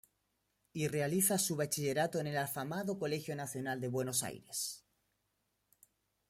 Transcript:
Y realiza su bachillerato en el afamado Colegio Nacional de Buenos Aires.